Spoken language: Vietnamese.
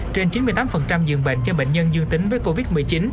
trên chín mươi tám dường bệnh cho bệnh nhân dương tính với covid một mươi chín